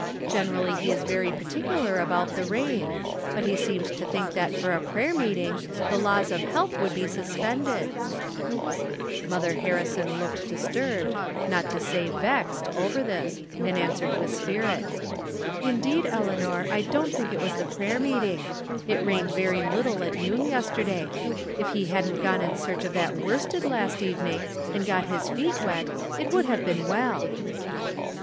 Generally he is very particular about the rain ; but he seemed to think that for a prayer meeting the laws of health would be suspended." 110 From Different Standpoints. Mother Harrison looked disturbed, not to say vexed, over this, and answered with spirit : "Indeed, Eleanor, I don't think it was the prayer meeting. It rained very little at noon yesterday. If he hadn't gone in search of that worsted last evening, and got his feet wet, it would all have been well."